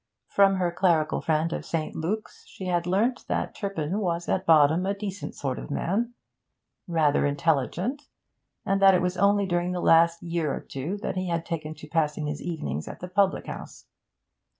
From her clerical friend of St. Luke's she had learnt that Turpin was at bottom a decent sort of man, rather intelligent, and that it was only during the last year or two that he had taken to passing his evenings at the public house.